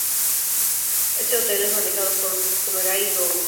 Este hotel es manejado por Jumeirah Group.